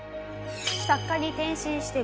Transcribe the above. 作家に転身して５年。